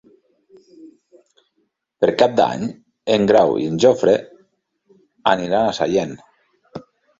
Per Cap d'Any en Grau i en Jofre aniran a Sallent.